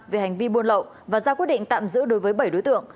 về hành vi buôn lậu và ra quyết định tạm giữ đối với bảy đối tượng